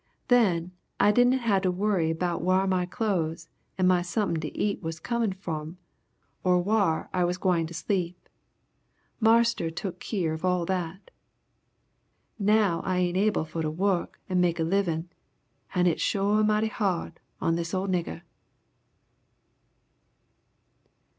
Then I didn' have to worry 'bout whar my clothes and my somepin' to eat was comin' from or whar I was gwine to sleep. Marster tuk keer of all that. Now I ain't able for to wuk and make a livin' and hit's sho' moughty hard on this old nigger."